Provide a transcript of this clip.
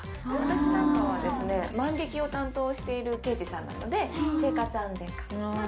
私なんかはですね万引を担当している刑事さんなので生活安全課。